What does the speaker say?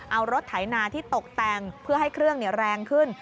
เอารถไถนาที่ตกแต่งเพื่อให้เครื่องแรงขึ้น